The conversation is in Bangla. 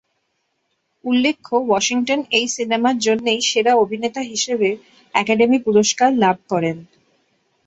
উল্লেখ্য ওয়াশিংটন এই সিনেমার জন্যই সেরা অভিনেতা হিসেবে একাডেমি পুরস্কার লাভ করেন।